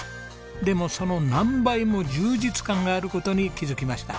でもその何倍も充実感がある事に気づきました。